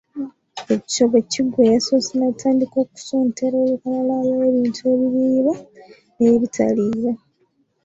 Ekyo bwe kiggwa eyasoose n’atandika okusontera olukalala lw’ebintu ebiriibwa n’ebitaliibwa